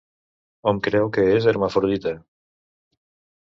Hom creu que és hermafrodita.